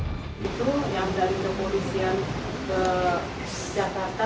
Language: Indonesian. itu yang dari kepolisian ke jakarta